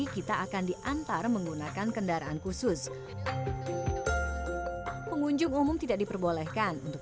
kita akan diantar menggunakan kendaraan khusus pengunjung umum tidak diperbolehkan untuk